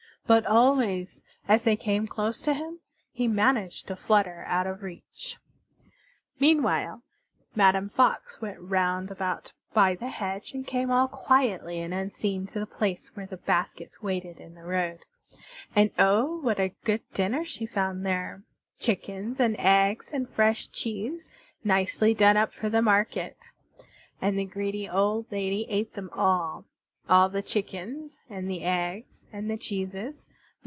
But always, as they came close to him, he managed to flutter out of reach. Meanwhile, Madame Fox went round about by the hedge and came all quietly and unseen to the place where the baskets waited in the road. And oh! what a good dinner she found there; chickens and eggs and fresh cheese nicely done up for the market. And the greedy old lady ate them all all the chickens and the eggs and the cheeses.